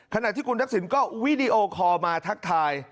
ขณะที่คุณทักษิณก็วีดีโอคอลมาทักทาย